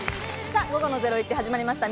さぁ、午後の『ゼロイチ』始まりました。